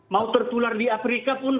mau tertular di afrika pun